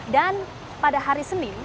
dan pada hari senin